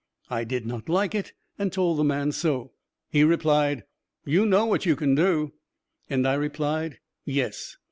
I did not like it and told the man so. He replied, "You know what you can do." And I replied, "Yes."